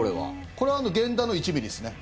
これは源田の１ｍｍですね。